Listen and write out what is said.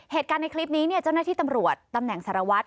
เหตุการณ์ในคลิปนี้เนี่ยเจ้าหน้าที่ตำรวจตำแหน่งสารวัตร